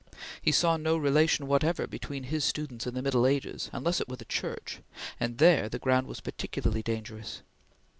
He saw no relation whatever between his students and the Middle Ages unless it were the Church, and there the ground was particularly dangerous.